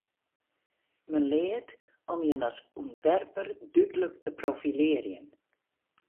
Men leart om jin as ûntwerper dúdlik te profilearjen.